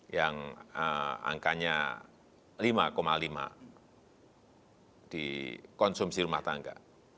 yang angkanya lima lima di konsumsi rumah tangga